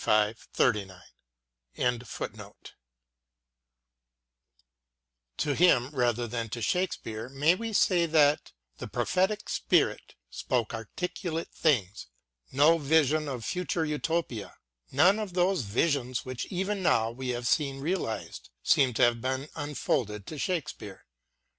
102 WORDSWORTH AS A TEACHER To him, rather than to Shakespeare, may we say that " the prophetic spirit " spoke articulate things. No vision of future Utopia, none of those visions which even now we have seen realised, seem to have been unfolded to Shake speare.